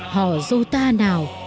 họ dù ta nào